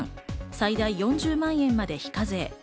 最大４０万円まで非課税。